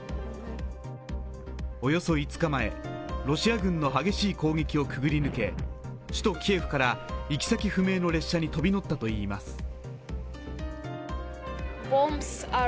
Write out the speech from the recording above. およそ５日前、ロシア軍の激しい攻撃をくぐり抜け、首都キエフから行き先不明の列車に飛び乗ったといいます。